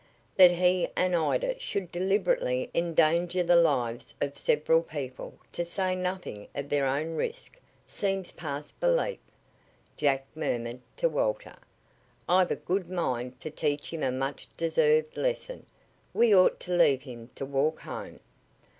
"That he and Ida should deliberately endanger the lives of several people, to say nothing of their own risk, seems past belief," Jack murmured to Walter. "I've a good mind to teach him a much deserved lesson. We ought to leave him to walk home."